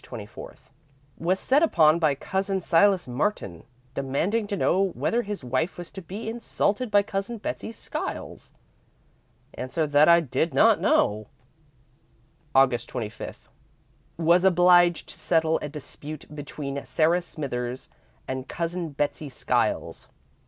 24. Was set upon by Cousin Silas Martin, demanding to know whether his wife was to be insulted by Cousin Betsey Skiles. Answered that I did not know. "Aug. 25. Was obliged to settle a dispute between Sarah Smithers and Cousin Betsey Skiles.